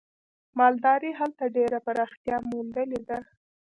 مالدارۍ هلته ډېره پراختیا موندلې ده.